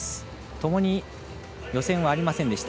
ともに予選はありませんでした。